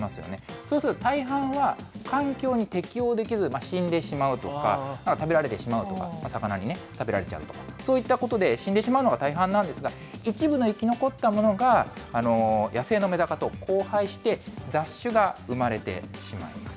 そうすると大半は環境に適応できず、死んでしまうとか、食べられてしまう、魚に食べられちゃうとかそういったことで死んでしまうのが大半なんですが、一部の生き残ったものが野生のメダカと交配して、雑種が生まれてしまいます。